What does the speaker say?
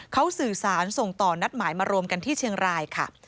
เขาสื่อสารส่งต่อนัดหมายมารวมกันที่เชียงรายค่ะ